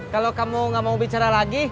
kalau kamu gak mau bicara lagi